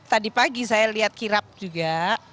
tadi pagi saya lihat kirap juga